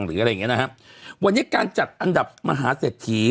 หรืออะไรอย่างเงี้นะฮะวันนี้การจัดอันดับมหาเศรษฐี